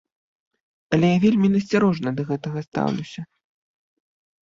Але я вельмі насцярожана да гэта стаўлюся.